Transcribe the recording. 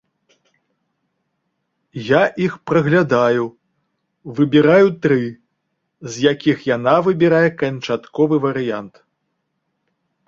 Я іх праглядаю, выбіраю тры, з якіх яна выбірае канчатковы варыянт.